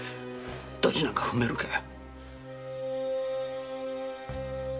ドジなんか踏めるかよ！